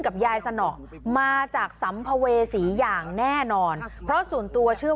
ไม่อยากให้แม่เป็นอะไรไปแล้วนอนร้องไห้แท่ทุกคืน